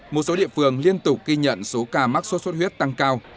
một số địa phương liên tục ghi nhận số ca mắc sốt xuất huyết tăng cao